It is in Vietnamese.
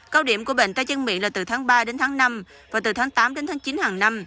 cao điểm của bệnh tay chân miệng là từ tháng ba đến tháng năm và từ tháng tám đến tháng chín hàng năm